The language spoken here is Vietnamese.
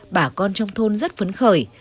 bà con trong thôn rất phấn khởi